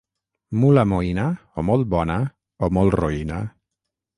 Mula moïna, o molt bona, o molt roïna.